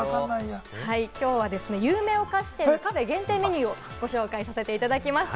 きょうはですね、有名お菓子店、カフェ限定メニューをご紹介させていただきました。